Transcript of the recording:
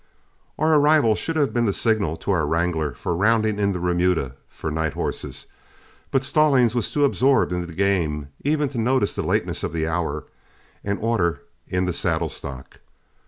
Our arrival should have been the signal to our wrangler for rounding in the remuda for night horses, but Stallings was too absorbed in the game even to notice the lateness of the hour and order in the saddle stock.